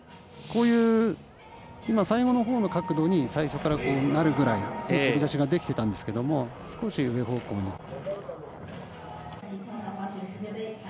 こういう今、最後のほうの角度に最初からなるぐらいの飛び出しができてたんですけど少し上方向に。